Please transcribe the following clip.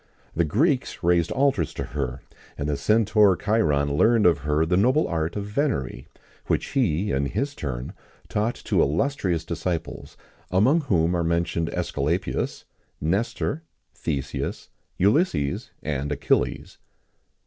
[XIX 5] The Greeks raised altars to her, and the centaur Chiron learned of her the noble art of venery, which he, in his turn, taught to illustrious disciples, among whom are mentioned Æsculapius, Nestor, Theseus, Ulysses, and Achilles.